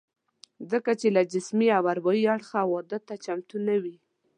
ځکه چې له جسمي او اروايي اړخه واده ته چمتو نه وي